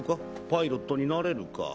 パイロットになれるか？